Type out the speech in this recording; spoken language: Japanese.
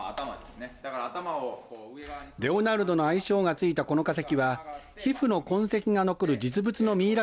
レオナルドの愛称がついたこの化石は皮膚の痕跡が残る実物のミイラ